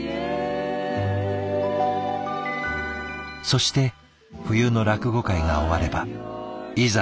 そして冬の落語会が終わればいざ